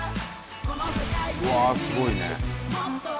うわあすごいね。